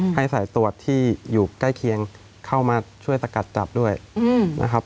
ให้สายตรวจที่อยู่ใกล้เคียงเข้ามาช่วยสกัดจับด้วยนะครับ